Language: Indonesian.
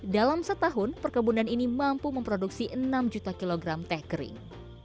dalam setahun perkebunan ini mampu memproduksi enam juta kilogram teh kering